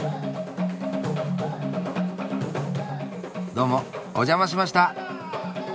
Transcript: どうもお邪魔しました！